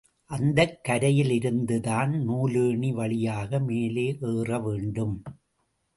அந்தக் கரையிலிருந்துதான் நூலேணி வழியாக மேலே ஏற வேண்டும்.